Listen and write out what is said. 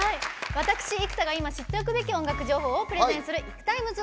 私、生田が今、知っておくべき音楽情報をプレゼンする「ＩＫＵＴＩＭＥＳ」。